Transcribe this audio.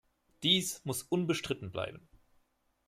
Dies muss unbestritten bleiben.